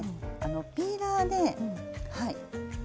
ピーラーで。